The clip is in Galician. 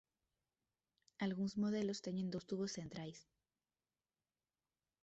Algúns modelos teñen dous tubos centrais.